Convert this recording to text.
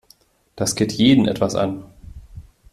Das geht jeden etwas an.